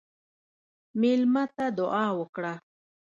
مېلمه ته دعا وکړه.